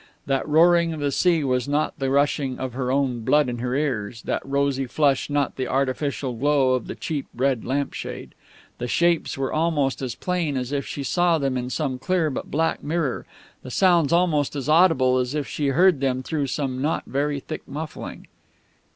That roaring of the sea was not the rushing of her own blood in her ears, that rosy flush not the artificial glow of the cheap red lampshade. The shapes were almost as plain as if she saw them in some clear but black mirror, the sounds almost as audible as if she heard them through some not very thick muffling....